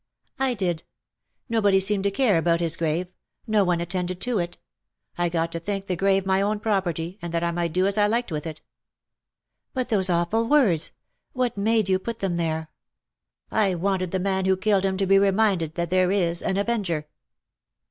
''^' I did. Nobody seemed to care about his grave — no one attended to it. I got to think the grave my own property, and that I might do as I liked with it." " But those awful words ! What made you put them there ?"" I wanted the man who killed him to be reminded that there is an Avenger.